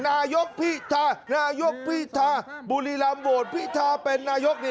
นายกพิธานายกพิธาบุรีรำโหวตพิธาเป็นนายก